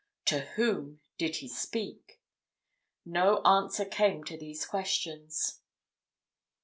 To whom did he speak? No answer came to these questions.